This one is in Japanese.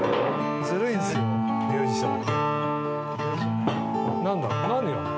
ずるいんですよミュージシャン。